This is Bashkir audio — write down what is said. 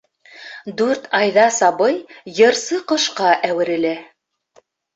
Дүрт айҙа сабый «йырсы ҡош»ҡа әүерелә.